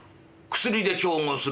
薬で調合する。